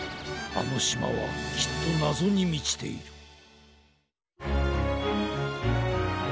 あのしまはきっとなぞにみちている。